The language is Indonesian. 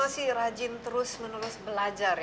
jadi masih rajin terus menerus belajar ya